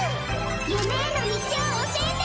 夢への道を教えて！